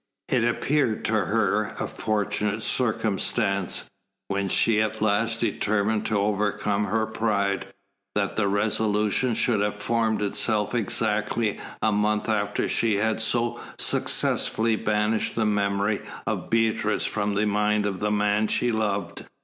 It appeared to her a fortunate circumstance, when she at last determined to overcome her pride, that the resolution should have formed itself exactly a month after she had so successfully banished the memory of Beatrice from the mind of the man she loved.